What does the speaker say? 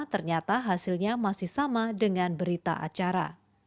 ternyata hasilnya masih sama dengan berita acara